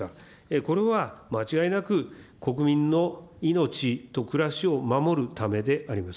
これは間違いなく、国民の命と暮らしを守るためであります。